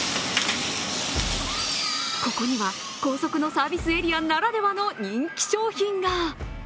ここには高速のサービスエリアならではの人気商品が。